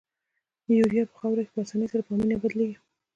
یوریا په خاوره کې په اساني سره په امونیا بدلیږي.